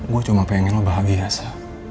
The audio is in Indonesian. gue cuma pengen lo bahagia sa